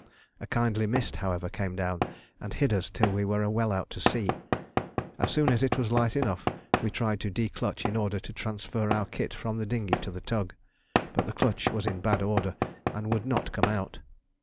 A kindly mist, however, came down and hid us till we were well out to sea. As soon as it was light enough we tried to declutch in order to transfer our kit from the dinghy to the tug. But the clutch was in bad order and would not come out.